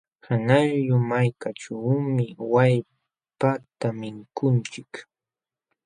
Qanqayllu malkaćhuumi wallpata mikunchik.